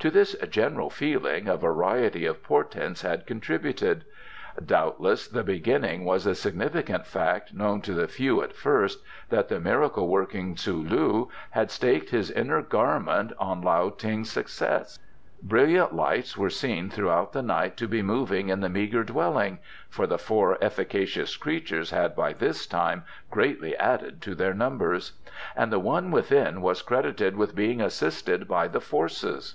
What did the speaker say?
To this general feeling a variety of portents had contributed. Doubtless the beginning was the significant fact, known to the few at first, that the miracle working Tzu lu had staked his inner garment on Lao Ting's success. Brilliant lights were seen throughout the night to be moving in the meagre dwelling (for the four efficacious creatures had by this time greatly added to their numbers), and the one within was credited with being assisted by the Forces.